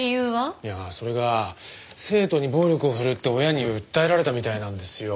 いやそれが生徒に暴力を振るって親に訴えられたみたいなんですよ。